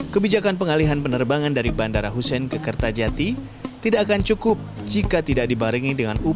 kebijakan pengalihan penerbangan dari bandara hussein ke kertajati tidak akan cukup jika tidak dibarengi dengan upaya